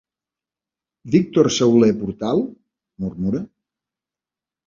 Víctor Sauler Portal? —murmura.